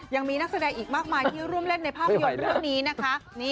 ยังมีนักแสดงอีกมากมายที่ร่วมเล่นในภาพยนตร์เรื่องนี้นะคะ